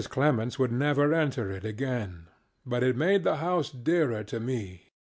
Clemens would never enter it again. But it made the house dearer to me.